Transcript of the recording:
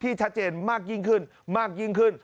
ชัดเจนมากยิ่งขึ้นมากยิ่งขึ้น